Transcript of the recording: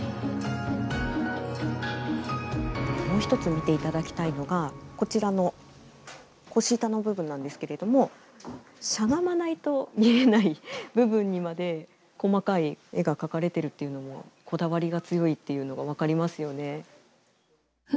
もう一つ見て頂きたいのがこちらの腰板の部分なんですけれどもしゃがまないと見えない部分にまで細かい絵が描かれてるというのもこだわりが強いっていうのが分かりますよね。